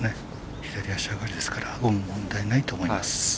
左足下がりですから問題ないと思います。